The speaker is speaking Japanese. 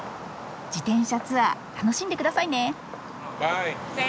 自転車ツアー楽しんで下さいね！